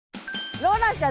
ローランちゃん